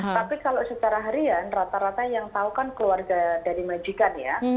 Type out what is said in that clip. tapi kalau secara harian rata rata yang tahu kan keluarga dari majikan ya